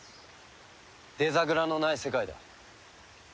デザグラのない世界だ。